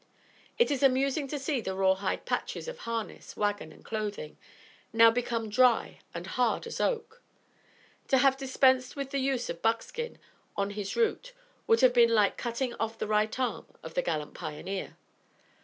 It is amusing to see the raw hide patches of harness, wagon and clothing, now become dry and hard as oak. To have dispensed with the use of buckskin on his route, would have been like cutting off the right arm of the gallant pioneer.